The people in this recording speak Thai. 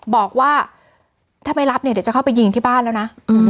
บอกว่าถ้าไปรับเนี่ยเดี๋ยวจะเข้าไปยิงที่บ้านแล้วนะ